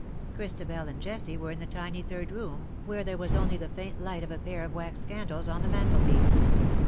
Christabel and Jessie were in the tiny third room, where there was only the faint light of a pair of wax candles on the mantelpiece.